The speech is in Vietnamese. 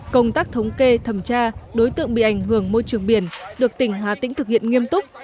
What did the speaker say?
công tác thống kê thẩm tra đối tượng bị ảnh hưởng môi trường biển được tỉnh hà tĩnh thực hiện nghiêm túc